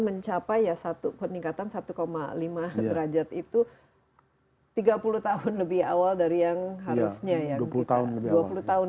mencapai ya satu peningkatan satu lima derajat itu tiga puluh tahun lebih awal dari yang harusnya yang kita dua puluh tahun